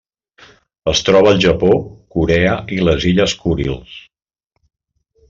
Es troba al Japó, Corea i les Illes Kurils.